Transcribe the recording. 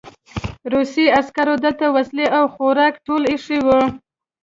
روسي عسکرو دلته وسلې او خوراکي توکي ایښي وو